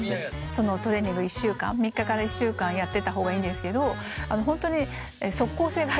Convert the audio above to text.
そのトレーニング３日から１週間やってたほうがいいんですけど本当に即効性がありまして。